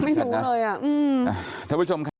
ไม่รู้เลย